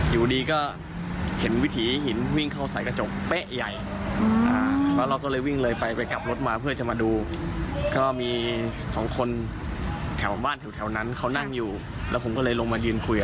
อยู่ข้างหลังเขาแล้วก็ไอ้เด็กผู้ชายเนี่ย